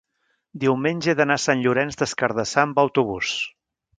Diumenge he d'anar a Sant Llorenç des Cardassar amb autobús.